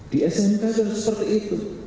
di smk sudah seperti itu